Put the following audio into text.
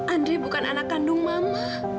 andri bukan anak kandung mama